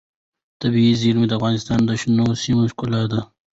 طبیعي زیرمې د افغانستان د شنو سیمو ښکلا ده.